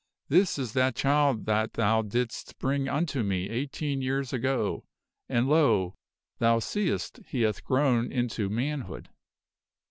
this is that child that thou didst bring unto me eighteen years ago, and, lo! thou seest he hath grown unto manhood."